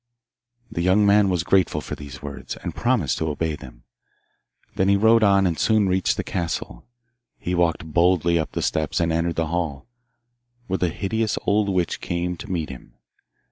The young man was grateful for these words, and promised to obey them. Then he rode on, and soon reached the castle. He walked boldly up the steps and entered the hall, where the hideous old witch came to meet him.